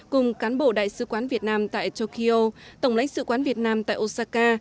cùng cán bộ đại sứ quán việt nam tại tokyo tổng lãnh sự quán việt nam tại osaka